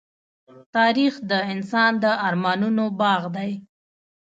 تاریخ د انسان د ارمانونو باغ دی.